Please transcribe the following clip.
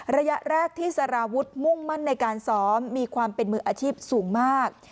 ระยะแรกที่สารวุฒิมุ่งมั่นในการซ้อมมีความเป็นมืออาชีพสูงมาก